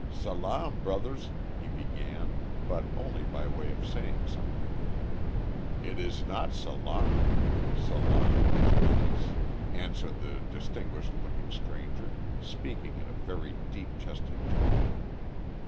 "Salaam, brothers," he began, but only by way of saying something. "It is not `salaam,'" ["salaam" Peace] answered the distinguished looking stranger, speaking in a very deep chested tone.